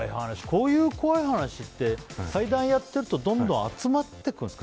こういう怖い話って怪談やってるとどんどん集まってくるんですか？